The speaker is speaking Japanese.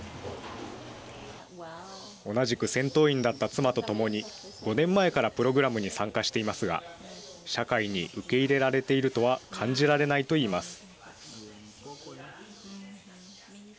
同じく戦闘員だった妻とともに５年前からプログラムに参加していますが社会に受け入れられているとは感じられないといいます。